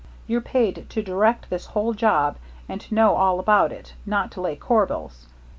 You're paid to direct this whole job and to know all about it, not to lay corbels.